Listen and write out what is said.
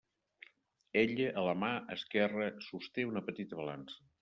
Ella a la mà esquerra sosté una petita balança.